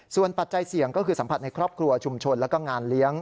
ส่วนปัจจัยเสี่ยงก็คือสัมผัสในครอบครัวชุมชนแล้วก็งานเลี้ยง